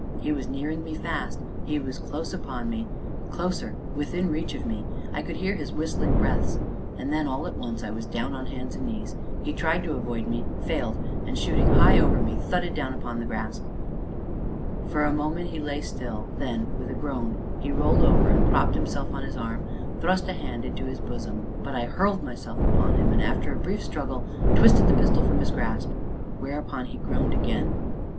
He was nearing me fast he was close upon me closer within reach of me. I could hear his whistling breaths, and then, all at once, I was down on hands and knees; he tried to avoid me failed, and, shooting high over me, thudded down upon the grass. For a moment he lay still, then, with a groan, he rolled over, and propping himself on his arm, thrust a hand into his bosom; but I hurled myself upon him, and, after a brief struggle, twisted the pistol from his grasp, whereupon he groaned again.